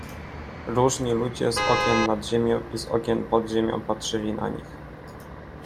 Różni ludzie z okien nad ziemią i z okien pod ziemią patrzyli na nich.